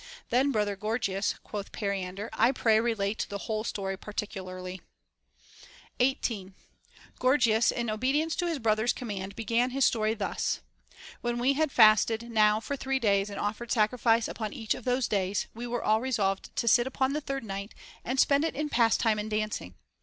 Then, brother Gorgias, quoth Periander, I pray relate the whole story particularly. 18. Gorgias in obedience to his brother's command began his story thus :— When we had fasted now for three days and offered sac rifice upon each of those days, we were all resolved to sit up the third night and spend it in pastime and dancing.